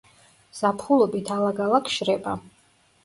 ზაფხულობით ალაგ-ალაგ შრება.